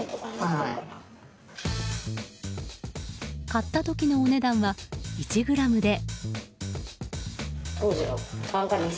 買った時のお値段は１ｇで。